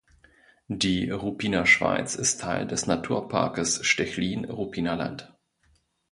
Die Ruppiner Schweiz ist Teil des Naturparkes Stechlin-Ruppiner Land.